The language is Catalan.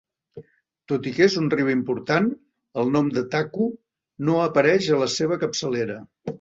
Tot i que és un riu important, el nom de Taku no apareix a la seva capçalera.